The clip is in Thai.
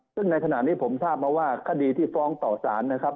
ซึ่งในขณะนี้ผมทราบมาว่าคดีที่ฟ้องต่อสารนะครับ